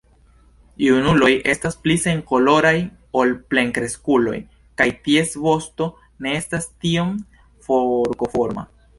Junuloj estas pli senkoloraj ol plenkreskuloj kaj ties vosto ne estas tiom forkoforma.